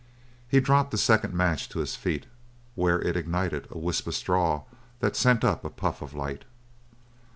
He dropped the second match to his feet, where it ignited a wisp of straw that sent up a puff of light.